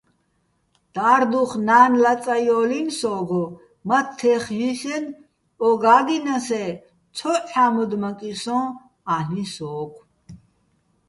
და́რდუხ ნა́ნ ლაწაჲოლინი̆ სო́გო, მათთეხ ჲსენო̆ ო გა́გჲნასე́ ცო ჺამოდმაკისონ-ალ'იჼ სო́გო̆.